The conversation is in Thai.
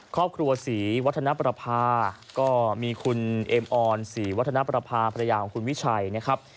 ครอบครัวศรีวัฒนประภาก็มีคุณเอมออนศรีวัฒนประพาภรรยาของคุณวิชัยนะครับ